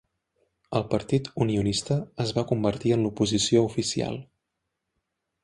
El Partit Unionista és va convertir en l'oposició oficial.